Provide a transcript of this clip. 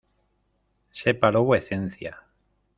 sépalo vuecencia: